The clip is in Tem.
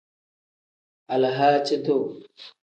Alahaaci-duu.